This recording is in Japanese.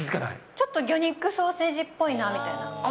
ちょっと魚肉ソーセージっぽいなみたいな。